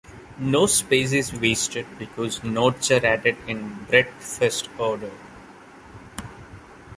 No space is wasted because nodes are added in breadth-first order.